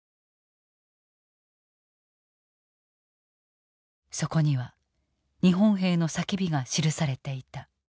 そこには日本兵の叫びが記されていた。